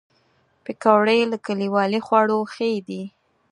پکورې له کلیوالي خواړو ښې دي